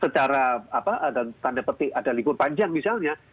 kalau itu terjadi secara apa ada tanda petik ada lingkungan panjang misalnya